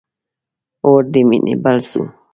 اور د مینی بل سو